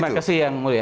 terima kasih yang mulia